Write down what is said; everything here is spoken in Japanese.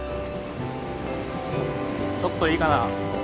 ちょっといいかな？